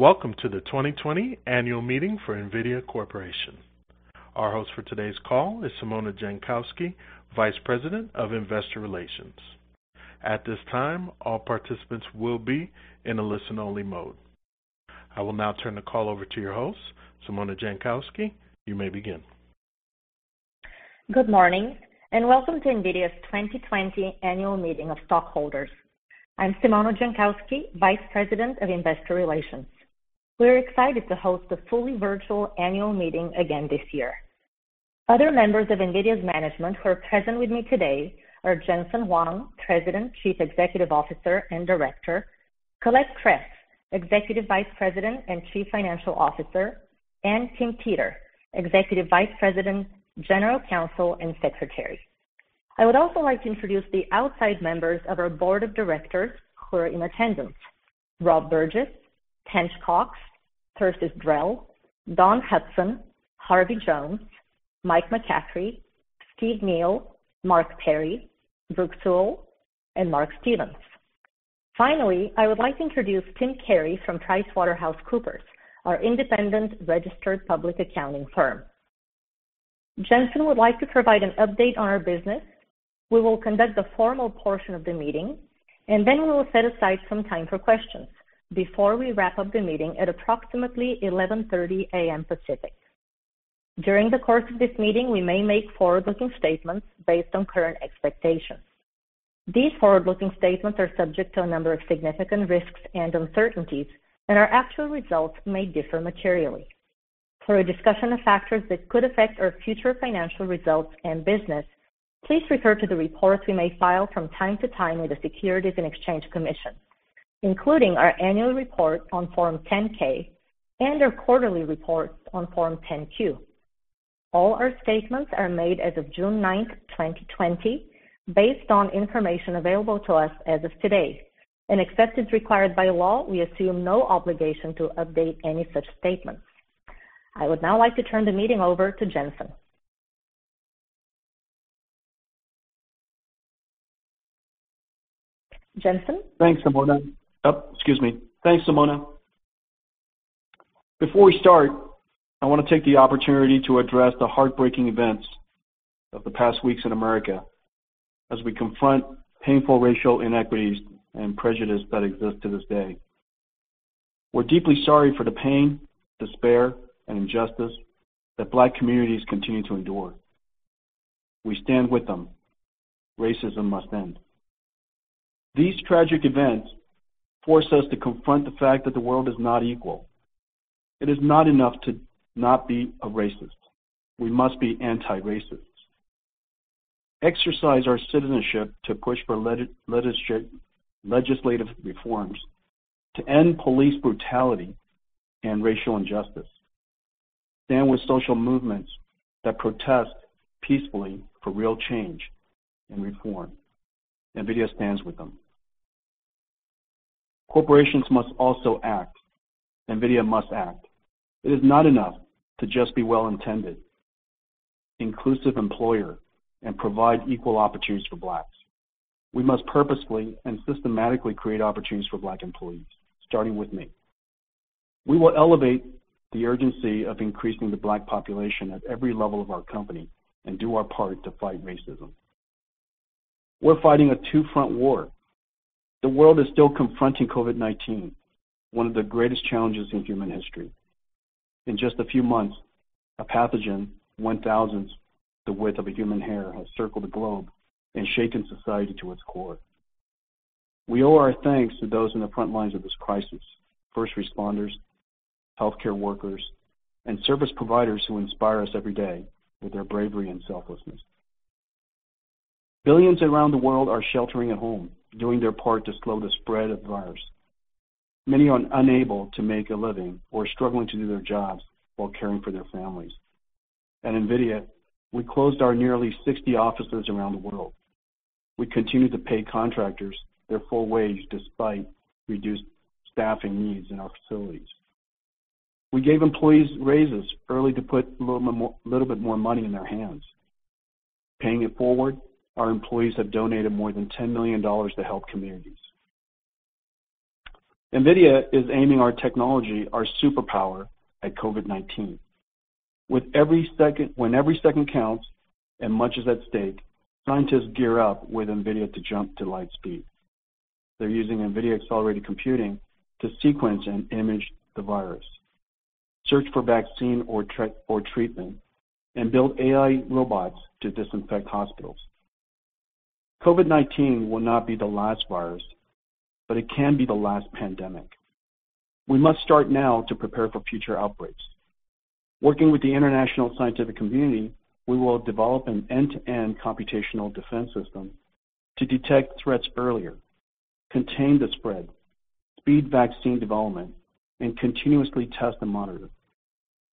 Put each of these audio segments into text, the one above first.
Welcome to the 2020 Annual Meeting for NVIDIA Corporation. Our host for today's call is Simona Jankowski, Vice President of Investor Relations. At this time, all participants will be in a listen-only mode. I will now turn the call over to your host, Simona Jankowski. You may begin. Good morning, and welcome to NVIDIA's 2020 Annual Meeting of Stockholders. I'm Simona Jankowski, Vice President of Investor Relations. We're excited to host the fully virtual annual meeting again this year. Other members of NVIDIA's management who are present with me today are Jensen Huang, President, Chief Executive Officer, and Director. Colette Kress, Executive Vice President and Chief Financial Officer, and Tim Teter, Executive Vice President, General Counsel, and Secretary. I would also like to introduce the outside members of our board of directors who are in attendance. Rob Burgess, Tench Coxe, Persis Drell, Dawn Hudson, Harvey Jones, Mike McCaffery, Steve Neal, Mark Perry, Brooke Seawell, and Mark Stevens. Finally, I would like to introduce Tim Carey from PricewaterhouseCoopers, our independent registered public accounting firm. Jensen would like to provide an update on our business. We will conduct the formal portion of the meeting, then we will set aside some time for questions before we wrap up the meeting at approximately 11:30 A.M. Pacific. During the course of this meeting, we may make forward-looking statements based on current expectations. These forward-looking statements are subject to a number of significant risks and uncertainties, and our actual results may differ materially. For a discussion of factors that could affect our future financial results and business, please refer to the reports we may file from time to time with the Securities and Exchange Commission, including our annual report on Form 10-K and our quarterly reports on Form 10-Q. All our statements are made as of June 9, 2020, based on information available to us as of today. Except as required by law, we assume no obligation to update any such statements. I would now like to turn the meeting over to Jensen. Jensen? Thanks, Simona. Before we start, I want to take the opportunity to address the heartbreaking events of the past weeks in America as we confront painful racial inequities and prejudice that exist to this day. We're deeply sorry for the pain, despair, and injustice that Black communities continue to endure. We stand with them. Racism must end. These tragic events force us to confront the fact that the world is not equal. It is not enough to not be a racist. We must be anti-racist. Exercise our citizenship to push for legislative reforms to end police brutality and racial injustice. Stand with social movements that protest peacefully for real change and reform. NVIDIA stands with them. Corporations must also act. NVIDIA must act. It is not enough to just be well-intended, inclusive employer, and provide equal opportunities for Blacks. We must purposefully and systematically create opportunities for Black employees, starting with me. We will elevate the urgency of increasing the Black population at every level of our company and do our part to fight racism. We're fighting a two-front war. The world is still confronting COVID-19, one of the greatest challenges in human history. In just a few months, a pathogen one-thousandth the width of a human hair has circled the globe and shaken society to its core. We owe our thanks to those on the frontlines of this crisis, first responders, healthcare workers, and service providers who inspire us every day with their bravery and selflessness. Billions around the world are sheltering at home, doing their part to slow the spread of the virus. Many are unable to make a living or struggling to do their jobs while caring for their families. At NVIDIA, we closed our nearly 60 offices around the world. We continued to pay contractors their full wage despite reduced staffing needs in our facilities. We gave employees raises early to put a little bit more money in their hands. Paying it forward, our employees have donated more than $10 million to help communities. NVIDIA is aiming our technology, our superpower, at COVID-19. When every second counts and much is at stake, scientists gear up with NVIDIA to jump to light speed. They're using NVIDIA accelerated computing to sequence and image the virus, search for vaccine or treatment, and build AI robots to disinfect hospitals. COVID-19 will not be the last virus, but it can be the last pandemic. We must start now to prepare for future outbreaks. Working with the international scientific community, we will develop an end-to-end computational defense system to detect threats earlier, contain the spread, speed vaccine development, and continuously test and monitor.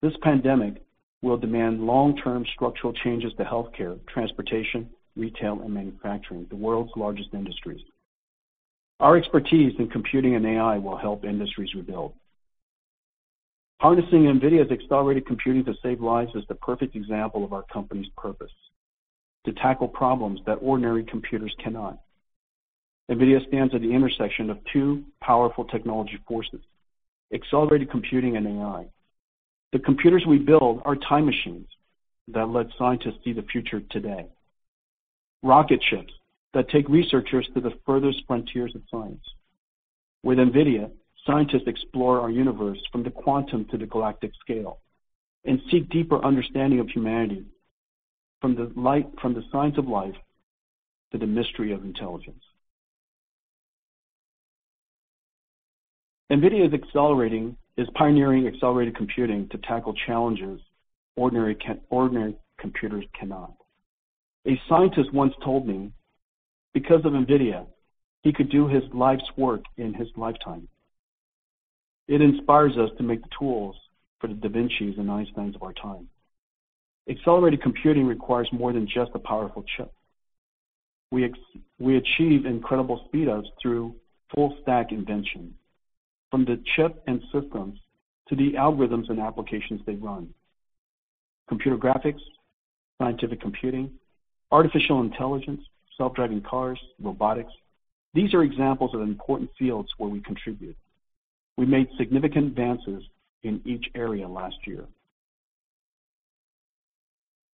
This pandemic will demand long-term structural changes to healthcare, transportation, retail, and manufacturing, the world's largest industries. Our expertise in computing and AI will help industries rebuild. Harnessing NVIDIA's accelerated computing to save lives is the perfect example of our company's purpose: to tackle problems that ordinary computers cannot. NVIDIA stands at the intersection of two powerful technology forces, accelerated computing and AI. The computers we build are time machines that let scientists see the future today. Rocket ships that take researchers to the furthest frontiers of science. With NVIDIA, scientists explore our universe from the quantum to the galactic scale, and seek deeper understanding of humanity from the science of life to the mystery of intelligence. NVIDIA is pioneering accelerated computing to tackle challenges ordinary computers cannot. A scientist once told me because of NVIDIA, he could do his life's work in his lifetime. It inspires us to make the tools for the Da Vincis and Einsteins of our time. Accelerated computing requires more than just a powerful chip. We achieve incredible speedups through full-stack invention, from the chip and systems to the algorithms and applications they run. Computer graphics, scientific computing, artificial intelligence, self-driving cars, robotics. These are examples of important fields where we contribute. We made significant advances in each area last year.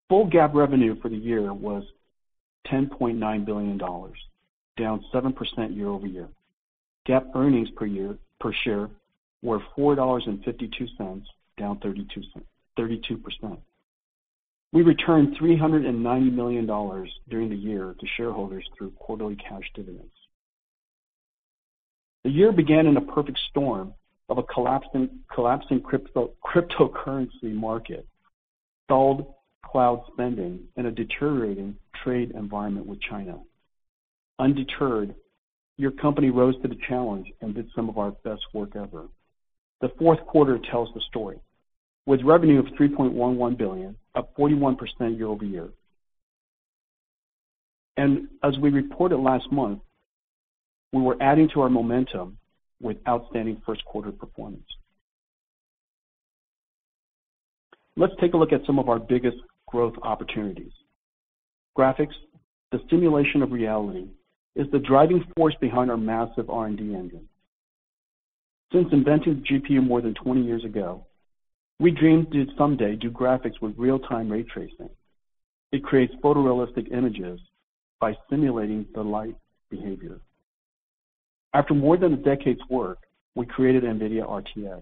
Full GAAP revenue for the year was $10.9 billion, down 7% year-over-year. GAAP earnings per share were $4.52, down 32%. We returned $390 million during the year to shareholders through quarterly cash dividends. The year began in a perfect storm of a collapsing cryptocurrency market, stalled cloud spending, and a deteriorating trade environment with China. Undeterred, your company rose to the challenge and did some of our best work ever. The fourth quarter tells the story. With revenue of $3.11 billion, up 41% year-over-year. As we reported last month, we were adding to our momentum with outstanding first quarter performance. Let's take a look at some of our biggest growth opportunities. Graphics, the simulation of reality, is the driving force behind our massive R&D engine. Since inventing the GPU more than 20 years ago, we dreamed to someday do graphics with real-time ray tracing. It creates photorealistic images by simulating the light behavior. After more than a decade's work, we created NVIDIA RTX,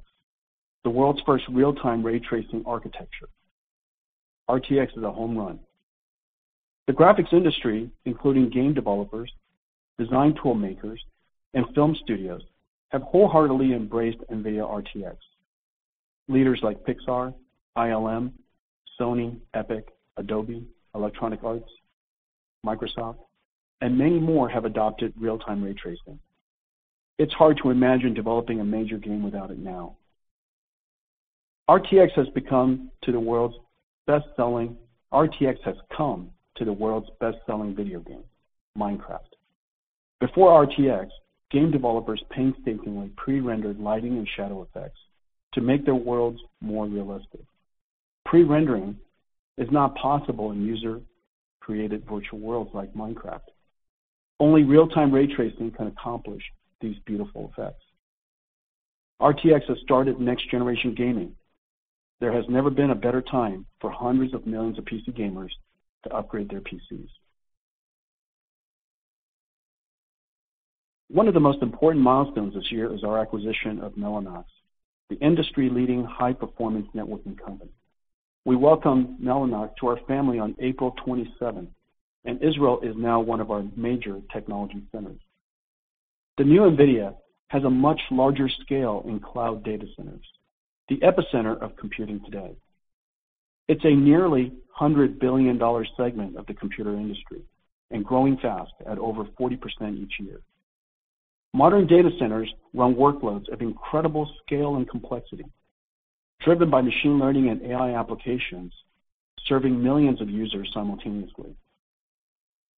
the world's first real-time ray tracing architecture. RTX is a home run. The graphics industry, including game developers, design tool makers, and film studios, have wholeheartedly embraced NVIDIA RTX. Leaders like Pixar, ILM, Sony, Epic, Adobe, Electronic Arts, Microsoft, and many more have adopted real-time ray tracing. It's hard to imagine developing a major game without it now. RTX has come to the world's best-selling video game, Minecraft. Before RTX, game developers painstakingly pre-rendered lighting and shadow effects to make their worlds more realistic. Pre-rendering is not possible in user-created virtual worlds like Minecraft. Only real-time ray tracing can accomplish these beautiful effects. RTX has started next-generation gaming. There has never been a better time for hundreds of millions of PC gamers to upgrade their PCs. One of the most important milestones this year is our acquisition of Mellanox, the industry-leading high-performance networking company. We welcomed Mellanox to our family on April 27th, and Israel is now one of our major technology centers. The new NVIDIA has a much larger scale in cloud data centers, the epicenter of computing today. It's a nearly $100 billion segment of the computer industry and growing fast at over 40% each year. Modern data centers run workloads of incredible scale and complexity, driven by machine learning and AI applications, serving millions of users simultaneously.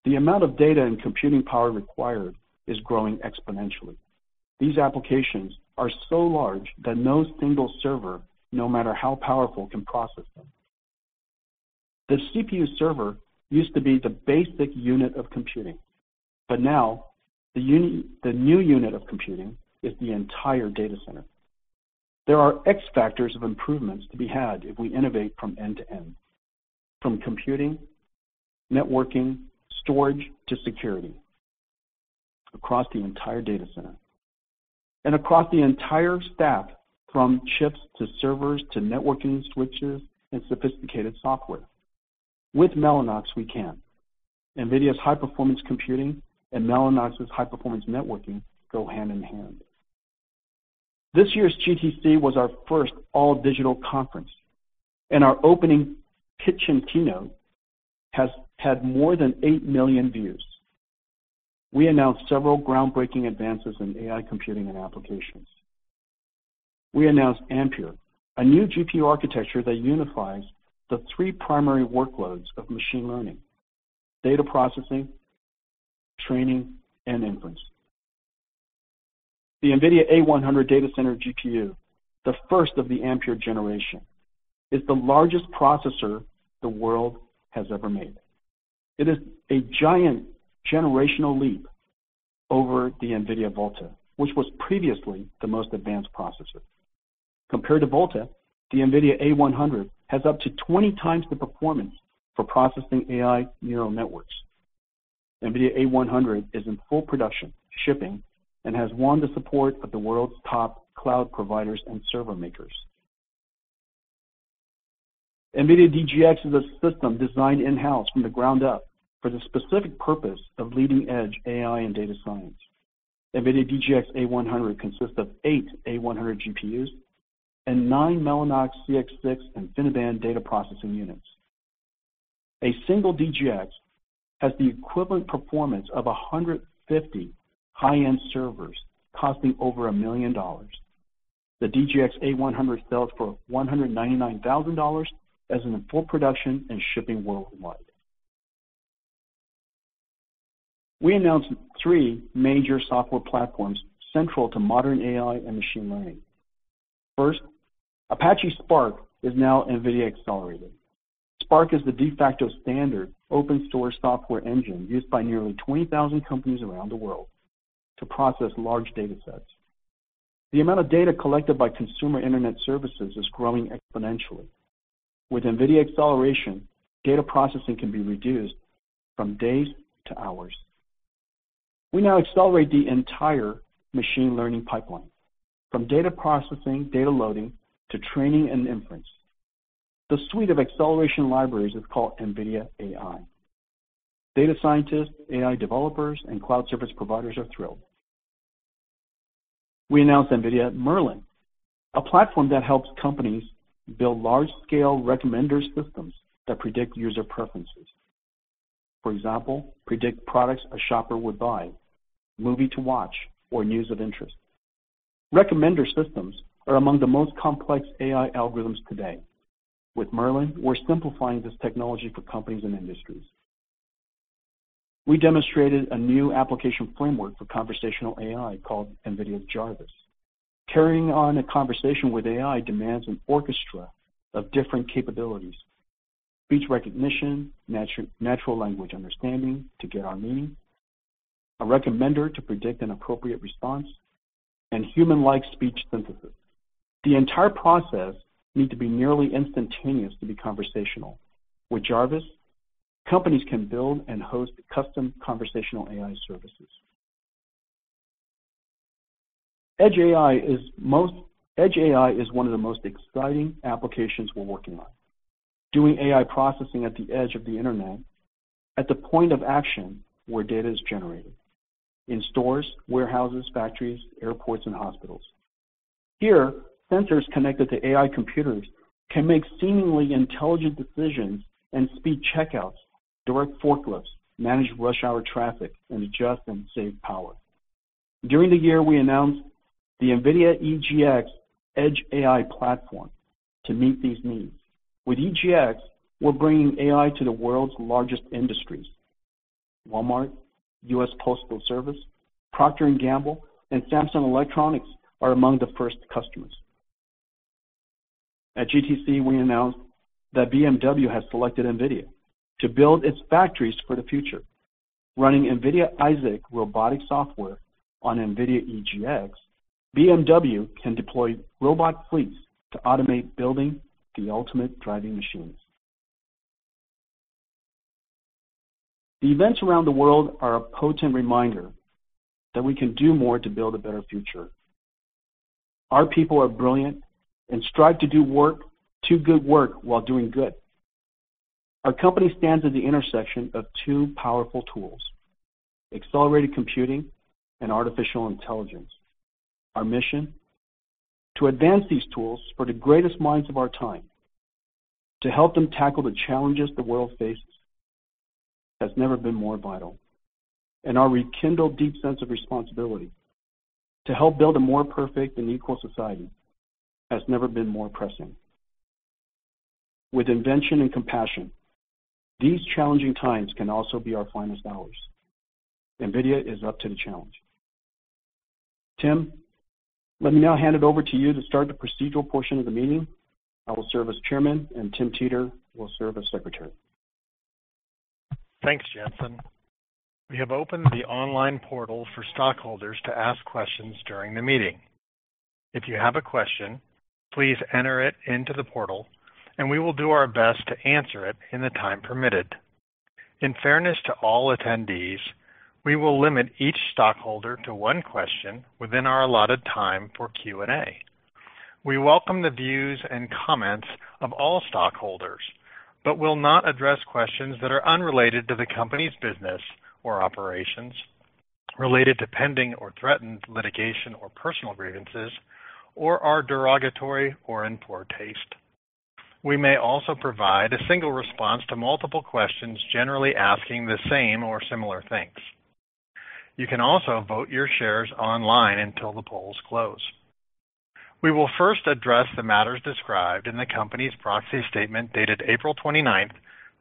The amount of data and computing power required is growing exponentially. These applications are so large that no single server, no matter how powerful, can process them. The CPU server used to be the basic unit of computing, but now the new unit of computing is the entire data center. There are X factors of improvements to be had if we innovate from end to end, from computing, networking, storage, to security, across the entire data center. Across the entire stack, from chips to servers, to networking switches and sophisticated software. With Mellanox, we can. NVIDIA's high-performance computing and Mellanox's high-performance networking go hand in hand. This year's GTC was our first all-digital conference, and our opening kitchen keynote has had more than 8 million views. We announced several groundbreaking advances in AI computing and applications. We announced Ampere, a new GPU architecture that unifies the three primary workloads of machine learning, data processing, training, and inference. The NVIDIA A100 Data Center GPU, the first of the Ampere generation, is the largest processor the world has ever made. It is a giant generational leap over the NVIDIA Volta, which was previously the most advanced processor. Compared to Volta, the NVIDIA A100 has up to 20x the performance for processing AI neural networks. NVIDIA A100 is in full production, shipping, and has won the support of the world's top cloud providers and server makers. NVIDIA DGX is a system designed in-house from the ground up for the specific purpose of leading-edge AI and data science. NVIDIA DGX A100 consists of eight A100 GPUs and nine Mellanox CX-6 InfiniBand data processing units. A single DGX has the equivalent performance of 150 high-end servers costing over $1 million. The DGX A100 sells for $199,000 and is in full production and shipping worldwide. We announced three major software platforms central to modern AI and machine learning. First, Apache Spark is now NVIDIA accelerated. Spark is the de facto standard open-source software engine used by nearly 20,000 companies around the world to process large data sets. The amount of data collected by consumer internet services is growing exponentially. With NVIDIA acceleration, data processing can be reduced from days to hours. We now accelerate the entire machine learning pipeline, from data processing, data loading, to training and inference. This suite of acceleration libraries is called NVIDIA AI. Data scientists, AI developers, and cloud service providers are thrilled. We announced NVIDIA Merlin, a platform that helps companies build large-scale recommender systems that predict user preferences. For example, predict products a shopper would buy, movie to watch, or news of interest. Recommender systems are among the most complex AI algorithms today. With Merlin, we're simplifying this technology for companies and industries. We demonstrated a new application framework for conversational AI called NVIDIA Jarvis. Carrying on a conversation with AI demands an orchestra of different capabilities. Speech recognition, natural language understanding to get our meaning, a recommender to predict an appropriate response, and human-like speech synthesis. The entire process needs to be nearly instantaneous to be conversational. With Jarvis, companies can build and host custom conversational AI services. Edge AI is one of the most exciting applications we're working on. Doing AI processing at the edge of the internet, at the point of action where data is generated, in stores, warehouses, factories, airports, and hospitals. Here, sensors connected to AI computers can make seemingly intelligent decisions and speed checkouts, direct forklifts, manage rush hour traffic, and adjust and save power. During the year, we announced the NVIDIA EGX Edge AI platform to meet these needs. With EGX, we're bringing AI to the world's largest industries. Walmart, U.S. Postal Service, Procter & Gamble, and Samsung Electronics are among the first customers. At GTC, we announced that BMW has selected NVIDIA to build its factories for the future. Running NVIDIA Isaac robotic software on NVIDIA EGX, BMW can deploy robot fleets to automate building the ultimate driving machines. The events around the world are a potent reminder that we can do more to build a better future. Our people are brilliant and strive to do good work while doing good. Our company stands at the intersection of two powerful tools, accelerated computing and artificial intelligence. Our mission to advance these tools for the greatest minds of our time, to help them tackle the challenges the world faces, has never been more vital. Our rekindled deep sense of responsibility to help build a more perfect and equal society has never been more pressing. With invention and compassion, these challenging times can also be our finest hours. NVIDIA is up to the challenge. Tim, let me now hand it over to you to start the procedural portion of the meeting. I will serve as chairman, and Tim Teter will serve as secretary. Thanks, Jensen. We have opened the online portal for stockholders to ask questions during the meeting. If you have a question, please enter it into the portal, and we will do our best to answer it in the time permitted. In fairness to all attendees, we will limit each stockholder to one question within our allotted time for Q&A. We welcome the views and comments of all stockholders but will not address questions that are unrelated to the company's business or operations, related to pending or threatened litigation or personal grievances, or are derogatory or in poor taste. We may also provide a single response to multiple questions generally asking the same or similar things. You can also vote your shares online until the polls close. We will first address the matters described in the company's proxy statement dated April 29th,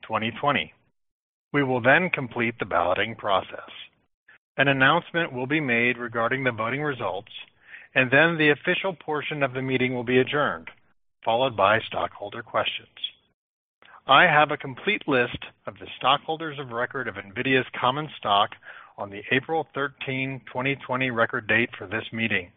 2020. We will then complete the balloting process. An announcement will be made regarding the voting results. The official portion of the meeting will be adjourned, followed by stockholder questions. I have a complete list of the stockholders of record of NVIDIA's common stock on the April 13, 2020 record date for this meeting.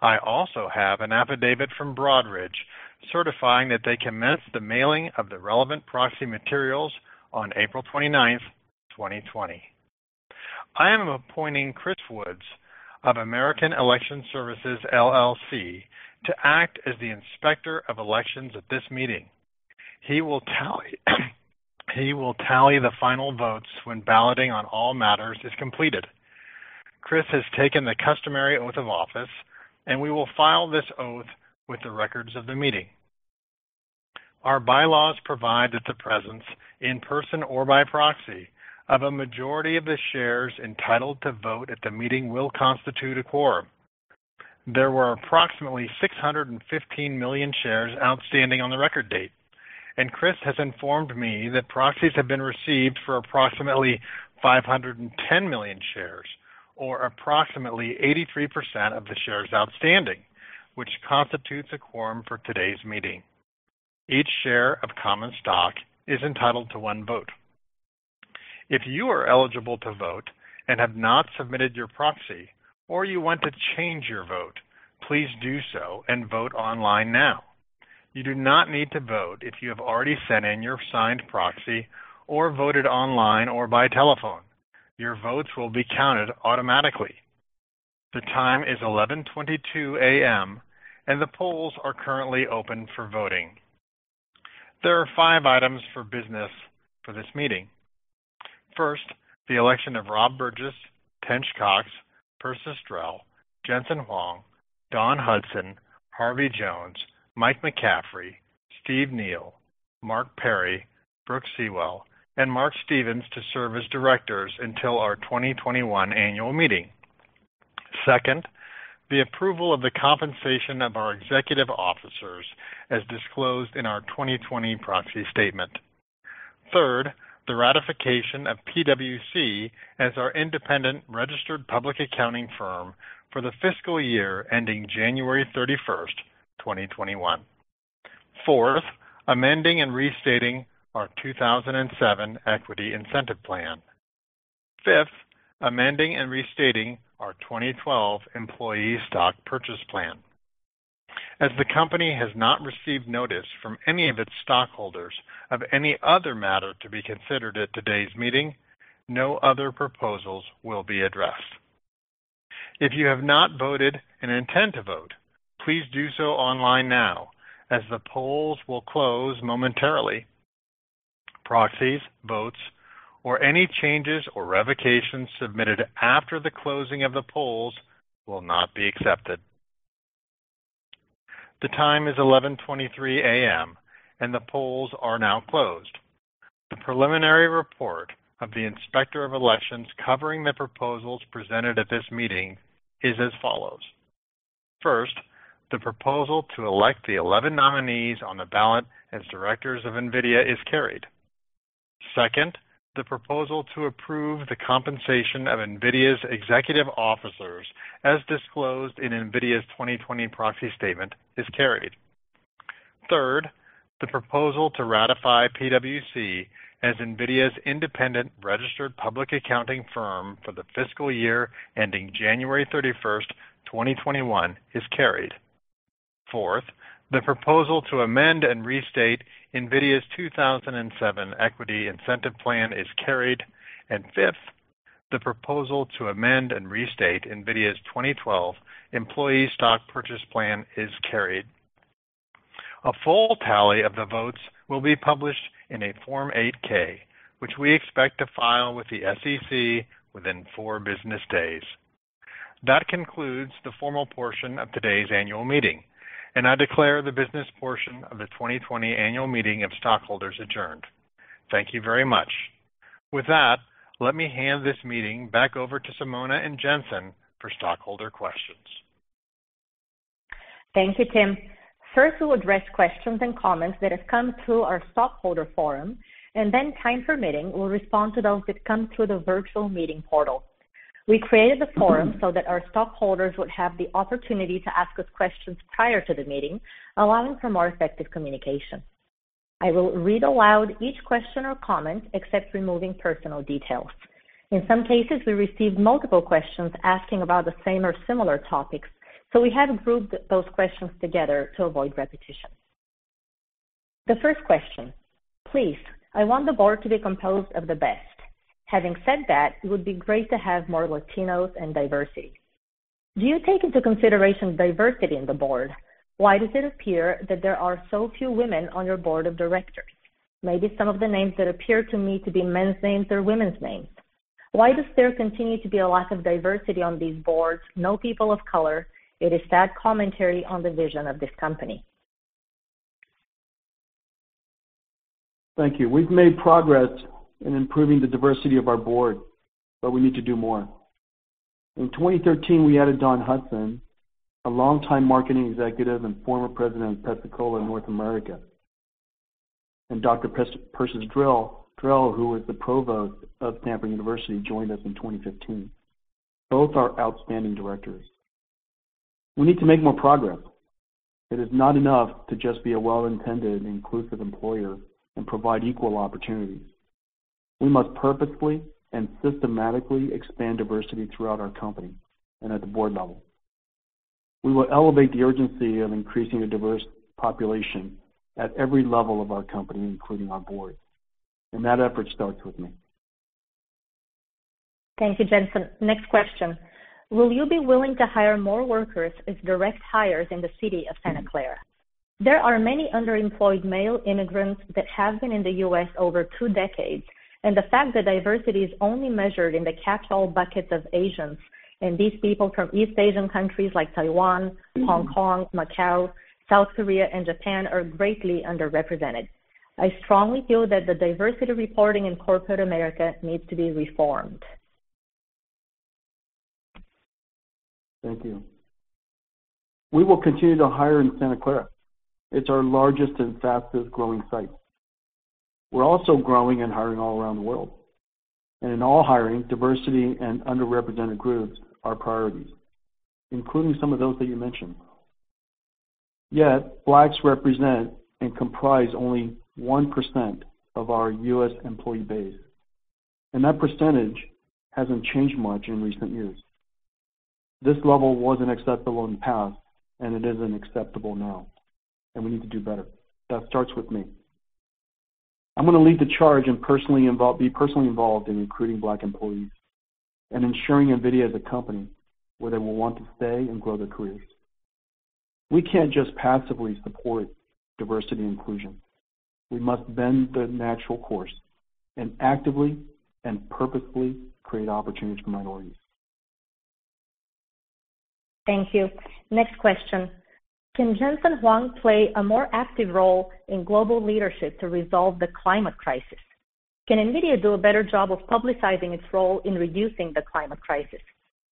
I also have an affidavit from Broadridge certifying that they commenced the mailing of the relevant proxy materials on April 29th, 2020. I am appointing Chris Woods of American Election Services, LLC to act as the inspector of elections at this meeting. He will tally the final votes when balloting on all matters is completed. Chris has taken the customary oath of office. We will file this oath with the records of the meeting. Our bylaws provide that the presence, in person or by proxy, of a majority of the shares entitled to vote at the meeting will constitute a quorum. There were approximately 615 million shares outstanding on the record date, and Chris has informed me that proxies have been received for approximately 510 million shares, or approximately 83% of the shares outstanding, which constitutes a quorum for today's meeting. Each share of common stock is entitled to one vote. If you are eligible to vote and have not submitted your proxy, or you want to change your vote, please do so and vote online now. You do not need to vote if you have already sent in your signed proxy or voted online or by telephone. Your votes will be counted automatically. The time is 11:22 A.M., and the polls are currently open for voting. There are five items for business for this meeting. The election of Rob Burgess, Tench Coxe, Persis Drell, Jensen Huang, Dawn Hudson, Harvey Jones, Mike McCaffery, Steve Neal, Mark Perry, Brooke Seawell, and Mark Stevens to serve as directors until our 2021 annual meeting. The approval of the compensation of our executive officers as disclosed in our 2020 proxy statement. The ratification of PwC as our independent registered public accounting firm for the fiscal year ending January 31st, 2021. Amending and restating our 2007 equity incentive plan. Amending and restating our 2012 employee stock purchase plan. The company has not received notice from any of its stockholders of any other matter to be considered at today's meeting, no other proposals will be addressed. If you have not voted and intend to vote, please do so online now, as the polls will close momentarily. Proxies, votes, or any changes or revocations submitted after the closing of the polls will not be accepted. The time is 11:23 A.M. and the polls are now closed. The preliminary report of the Inspector of Elections covering the proposals presented at this meeting is as follows. First, the proposal to elect the 11 nominees on the ballot as directors of NVIDIA is carried. Second, the proposal to approve the compensation of NVIDIA's executive officers as disclosed in NVIDIA's 2020 proxy statement is carried. Third, the proposal to ratify PwC as NVIDIA's independent registered public accounting firm for the fiscal year ending January 31st, 2021 is carried. Fourth, the proposal to amend and restate NVIDIA's 2007 equity incentive plan is carried. Fifth, the proposal to amend and restate NVIDIA's 2012 employee stock purchase plan is carried. A full tally of the votes will be published in a Form 8-K, which we expect to file with the SEC within four business days. That concludes the formal portion of today's annual meeting, and I declare the business portion of the 2020 annual meeting of stockholders adjourned. Thank you very much. With that, let me hand this meeting back over to Simona and Jensen for stockholder questions. Thank you, Tim. First, we'll address questions and comments that have come through our stockholder forum, and then time permitting, we'll respond to those that come through the virtual meeting portal. We created the forum so that our stockholders would have the opportunity to ask us questions prior to the meeting, allowing for more effective communication. I will read aloud each question or comment, except removing personal details. In some cases, we received multiple questions asking about the same or similar topics, so we have grouped those questions together to avoid repetition. The first question. Please, I want the board to be composed of the best. Having said that, it would be great to have more Latinos and diversity. Do you take into consideration diversity in the board? Why does it appear that there are so few women on your board of directors? Maybe some of the names that appear to me to be men's names are women's names. Why does there continue to be a lack of diversity on these boards? No people of color. It is sad commentary on the vision of this company. Thank you. We've made progress in improving the diversity of our board. We need to do more. In 2013, we added Dawn Hudson, a longtime marketing executive and former president of PepsiCo in North America, and Dr. Persis Drell, who was the provost of Stanford University, joined us in 2015. Both are outstanding directors. We need to make more progress. It is not enough to just be a well-intended and inclusive employer and provide equal opportunities. We must purposefully and systematically expand diversity throughout our company and at the board level. We will elevate the urgency of increasing a diverse population at every level of our company, including our board. That effort starts with me. Thank you, Jensen. Next question. Will you be willing to hire more workers as direct hires in the city of Santa Clara? There are many underemployed male immigrants that have been in the U.S. over two decades, and the fact that diversity is only measured in the catch-all buckets of Asians and these people from East Asian countries like Taiwan, Hong Kong, Macau, South Korea, and Japan are greatly underrepresented. I strongly feel that the diversity reporting in corporate America needs to be reformed. Thank you. We will continue to hire in Santa Clara. It's our largest and fastest growing site. We're also growing and hiring all around the world. In all hiring, diversity and underrepresented groups are priorities, including some of those that you mentioned. Yet, Blacks represent and comprise only 1% of our U.S. employee base, and that percentage hasn't changed much in recent years. This level wasn't acceptable in the past, and it isn't acceptable now, and we need to do better. That starts with me. I'm going to lead the charge and be personally involved in recruiting Black employees and ensuring NVIDIA is a company where they will want to stay and grow their careers. We can't just passively support diversity and inclusion. We must bend the natural course and actively and purposefully create opportunities for minorities. Thank you. Next question. Can Jensen Huang play a more active role in global leadership to resolve the climate crisis? Can NVIDIA do a better job of publicizing its role in reducing the climate crisis?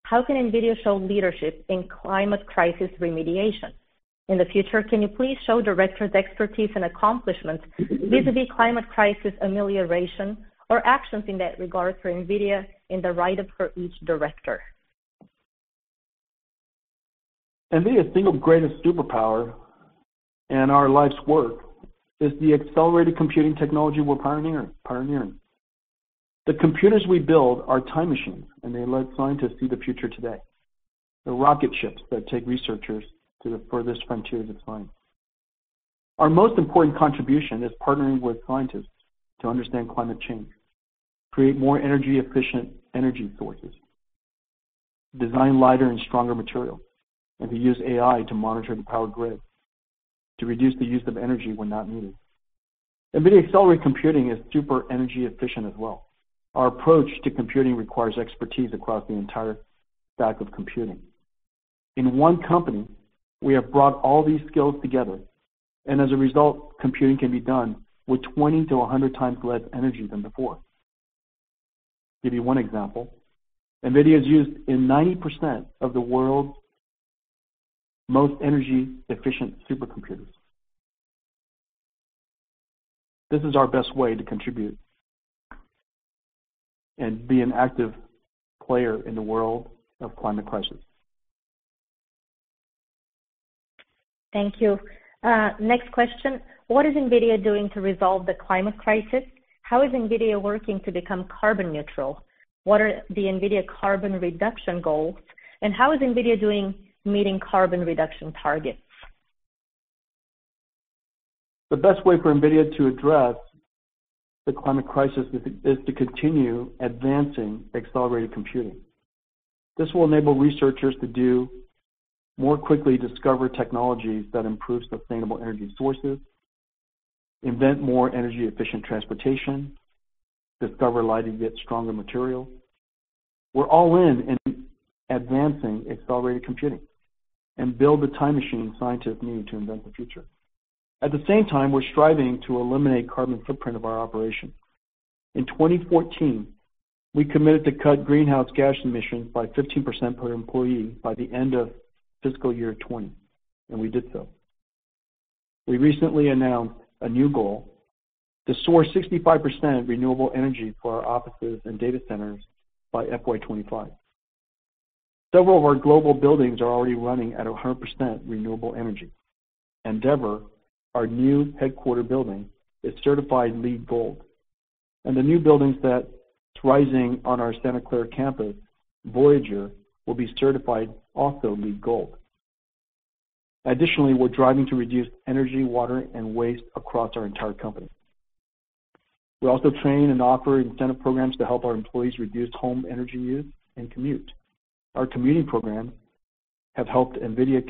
How can NVIDIA show leadership in climate crisis remediation? In the future, can you please show directors' expertise and accomplishments vis-a-vis climate crisis amelioration or actions in that regard for NVIDIA in the write-up for each director? NVIDIA's single greatest superpower and our life's work is the accelerated computing technology we're pioneering. The computers we build are time machines, and they let scientists see the future today. They're rocket ships that take researchers to the furthest frontiers of science. Our most important contribution is partnering with scientists to understand climate change, create more energy efficient energy sources, design lighter and stronger materials, and to use AI to monitor the power grid to reduce the use of energy when not needed. NVIDIA accelerated computing is super energy efficient as well. Our approach to computing requires expertise across the entire stack of computing. In one company, we have brought all these skills together, and as a result, computing can be done with 20 to 100 times less energy than before. Give you one example. NVIDIA is used in 90% of the world's most energy efficient supercomputers. This is our best way to contribute and be an active player in the world of climate crisis. Thank you. Next question. What is NVIDIA doing to resolve the climate crisis? How is NVIDIA working to become carbon neutral? What are the NVIDIA carbon reduction goals, and how is NVIDIA doing meeting carbon reduction targets? The best way for NVIDIA to address the climate crisis is to continue advancing accelerated computing. This will enable researchers to more quickly discover technologies that improve sustainable energy sources, invent more energy efficient transportation, discover lighter yet stronger material. We're all in advancing accelerated computing and build the time machine scientists need to invent the future. At the same time, we're striving to eliminate carbon footprint of our operation. In 2014, we committed to cut greenhouse gas emissions by 15% per employee by the end of fiscal year 2020, and we did so. We recently announced a new goal to source 65% renewable energy for our offices and data centers by FY 2025. Several of our global buildings are already running at 100% renewable energy. Endeavor, our new headquarter building, is certified LEED Gold. The new buildings that's rising on our Santa Clara campus, Voyager, will be certified also LEED Gold. Additionally, we're driving to reduce energy, water, and waste across our entire company. We also train and offer incentive programs to help our employees reduce home energy use and commute. Our commuting program have helped NVIDIA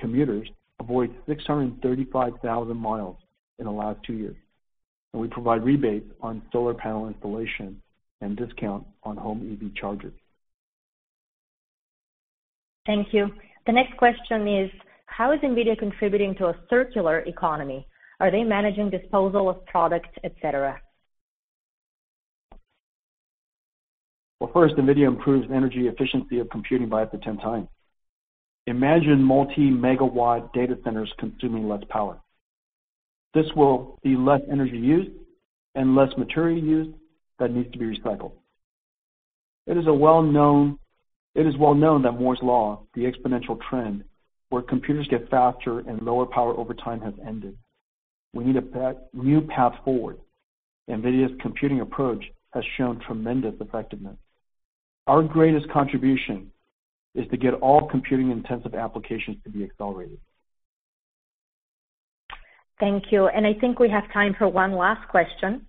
commuters avoid 635,000 mi in the last two years, and we provide rebates on solar panel installation and discount on home EV chargers. Thank you. The next question is: how is NVIDIA contributing to a circular economy? Are they managing disposal of products, et cetera? Well, first, NVIDIA improves energy efficiency of computing by up to 10 times. Imagine multi-megawatt data centers consuming less power. This will be less energy used and less material used that needs to be recycled. It is well known that Moore's law, the exponential trend where computers get faster and lower power over time, has ended. We need a new path forward. NVIDIA's computing approach has shown tremendous effectiveness. Our greatest contribution is to get all computing-intensive applications to be accelerated. Thank you. I think we have time for one last question.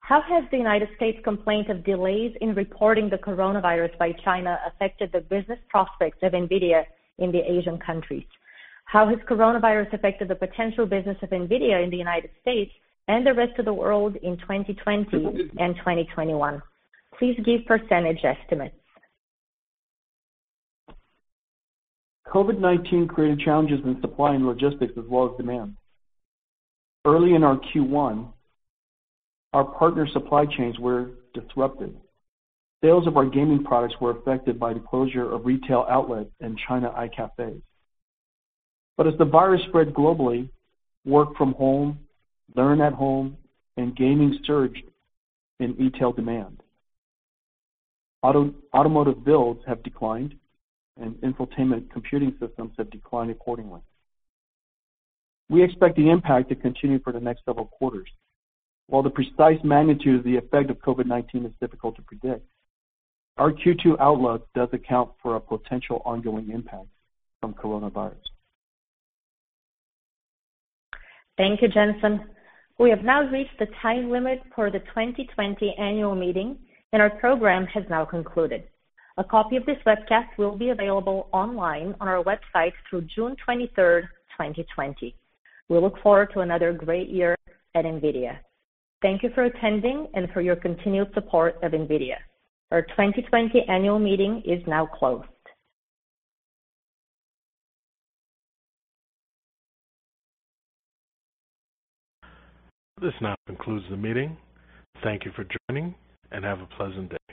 How has the United States complaint of delays in reporting the coronavirus by China affected the business prospects of NVIDIA in the Asian countries? How has coronavirus affected the potential business of NVIDIA in the United States and the rest of the world in 2020 and 2021? Please give percentage estimates. COVID-19 created challenges in supply and logistics as well as demand. Early in our Q1, our partner supply chains were disrupted. Sales of our gaming products were affected by the closure of retail outlets and China iCafes. As the virus spread globally, work from home, learn at home, and gaming surged in retail demand. Automotive builds have declined, and infotainment computing systems have declined accordingly. We expect the impact to continue for the next several quarters. While the precise magnitude of the effect of COVID-19 is difficult to predict, our Q2 outlook does account for a potential ongoing impact from coronavirus. Thank you, Jensen. We have now reached the time limit for the 2020 annual meeting, and our program has now concluded. A copy of this webcast will be available online on our website through June 23rd, 2020. We look forward to another great year at NVIDIA. Thank you for attending and for your continued support of NVIDIA. Our 2020 annual meeting is now closed. This now concludes the meeting. Thank you for joining, and have a pleasant day.